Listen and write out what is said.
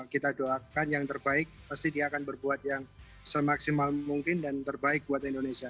kita doakan yang terbaik pasti dia akan berbuat yang semaksimal mungkin dan terbaik buat indonesia